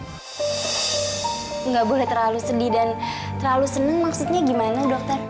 tidak boleh terlalu sedih dan terlalu seneng maksudnya gimana dokter